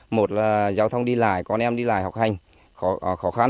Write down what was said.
một là giao thông đi lại con em đi lại học hành khó khăn